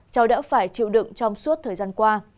cháu đã phải chịu đựng trong suốt thời gian qua